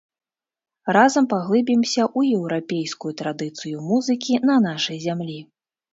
Разам паглыбімся ў еўрапейскую традыцыю музыкі на нашай зямлі.